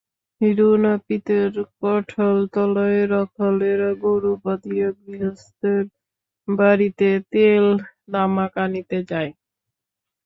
হীরু নাপিতের কাঁঠালতলায় রাখালেরা গরু বাঁধিয়া গৃহস্থের বাড়িতে তেল-তামাক আনিতে যায়।